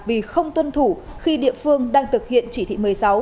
vì không tuân thủ khi địa phương đang thực hiện chỉ thị một mươi sáu